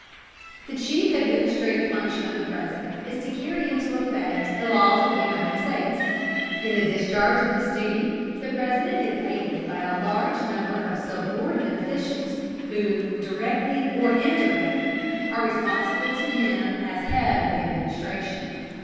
The chief administrative function of the President is to carry into effect the laws of the United States. In the discharge of this duty the President is aided by a large number of subordinate officials, who, directly or indirectly, are responsible to him as head of the administration.